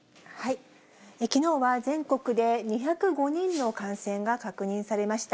きのうは全国で２０５人の感染が確認されました。